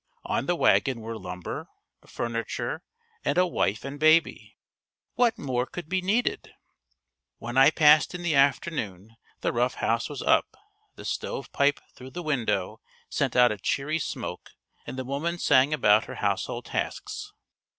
On the wagon were lumber, furniture and a wife and baby. What more could be needed! When I passed in the afternoon the rough house was up, the stove pipe through the window sent out a cheery smoke and the woman sang about her household tasks.